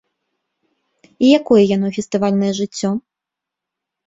І якое яно, фестывальнае жыццё?